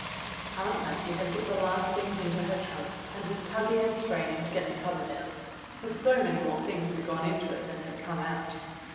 Aunt Mattie had put the last things into her trunk and was tugging and straining to get the cover down, for so many more things had gone into it than had come out.